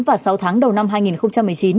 và sáu tháng đầu năm hai nghìn một mươi chín